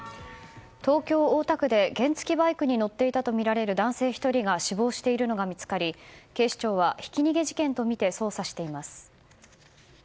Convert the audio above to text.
東京・大田区で原付きバイクに乗っていたとみられる男性１人が死亡しているのが見つかり警視庁はひき逃げ事件とみて捜査しています。